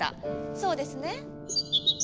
そうですね？